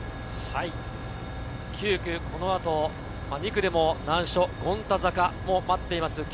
９区、この後、２区でも難所・権太坂も待っています